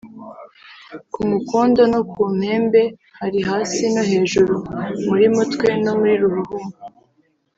ku mukondo no ku mpembe); hari “hasi no hejuru” (muri mutwe no muri ruhuhuma)